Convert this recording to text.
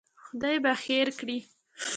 خدای به خیر کړي.